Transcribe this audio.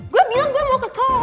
gue bilang gue mau ke kelas